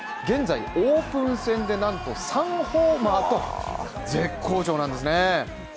現在、オープン戦でなんと、３ホーマーと絶好調なんですね。